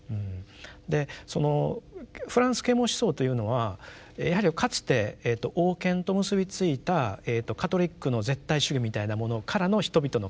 でそのフランス啓蒙思想というのはやはりかつて王権と結びついたカトリックの絶対主義みたいなものからの人々の解放